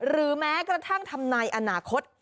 หรือแม้กระทั้งทำในอนาคต